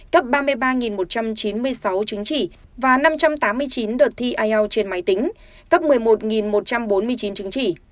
cấp ba mươi ba một trăm chín mươi sáu chứng chỉ và năm trăm tám mươi chín đợt thi ielts trên máy tính cấp một mươi một một trăm bốn mươi chín chứng chỉ